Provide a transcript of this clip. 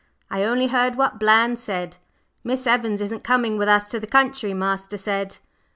I only heard what Bland said. Miss Evans isn't coming with us to the country, master said."